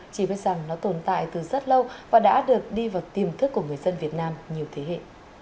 chỉ biết rằng nó tồn tại từ rất lâu và đã được đi vào tiềm thức của người dân việt nam nhiều thế hệ